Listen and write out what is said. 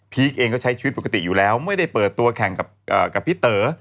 เองก็ใช้ชีวิตปกติอยู่แล้วไม่ได้เปิดตัวแข่งกับพี่เต๋อ